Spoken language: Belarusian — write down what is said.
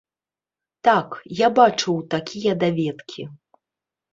Так, я бачыў такія даведкі.